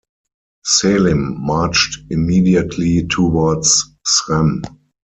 Selim marched immediately towards Srem.